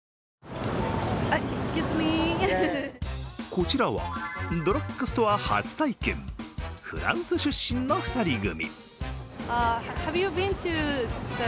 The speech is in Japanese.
こちらはドラッグストア初体験、フランス出身の２人組。